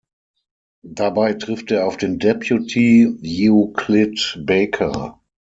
Dabei trifft er auf den Deputy Euclid Baker.